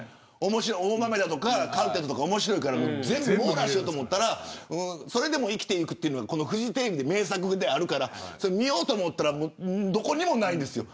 大豆田とかカルテットとか面白いから網羅しようと思ったらそれでも、生きてゆくというのがフジテレビの名作であるからそれを見ようと思ったらどこにもないんですよ。